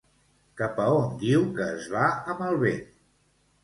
Cap a on diu que es va amb el vent?